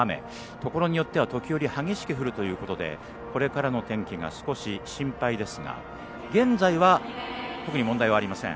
ところによっては時折激しく降るということでこれからの天気が少し心配ですが現在は特に問題ありません。